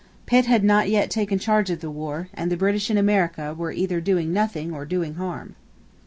Pitt had not yet taken charge of the war, and the British in America were either doing nothing or doing harm.